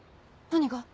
何が？